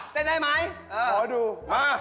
เต้นได้ไหมขอดูมา